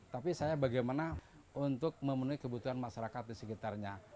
tapi saya bagaimana untuk memenuhi kebutuhan masyarakat di sekitarnya